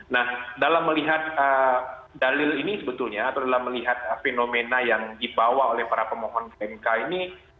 nah dalam melihat dalil ini sebetulnya atau dalam melihat fenomena yang dibawa oleh para pemohon pmk ini